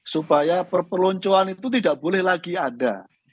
supaya perpeloncoan itu tidak boleh lagi ada